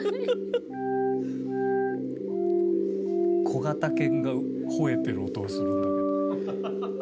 小型犬がほえてる音がするんだけど。